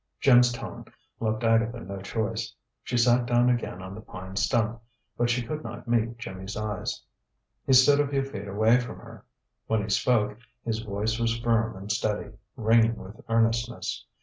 Jim's tone left Agatha no choice. She sat down again on the pine stump, but she could not meet Jimmy's eyes. He stood a few feet away from her. When he spoke, his voice was firm and steady, ringing with earnestness.